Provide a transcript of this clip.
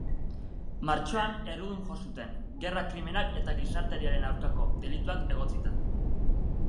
Martxoan errudun jo zuten, gerra krimenak eta gizarteriaren aurkako delituak egotzita.